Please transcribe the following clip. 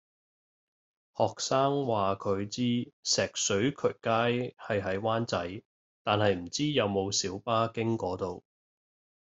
學生話佢知石水渠街係喺灣仔，但係唔知有冇小巴經嗰度